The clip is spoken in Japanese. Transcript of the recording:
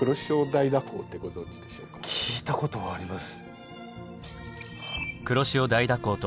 聞いたことあります。